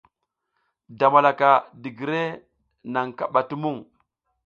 Damalaka digire naŋ kaɓa tumuŋ.